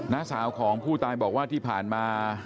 สาวของผู้ตายบอกว่าที่ผ่านมา